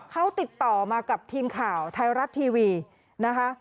เขาติดต่อมากับทีมข่าวไทยรัฐทีวีนะคะ